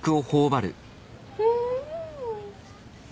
うん。